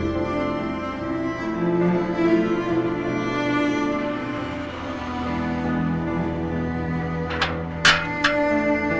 masalahnya kemana started